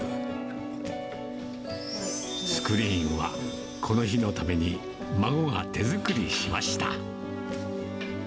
スクリーンは、この日のために孫が手作りしました。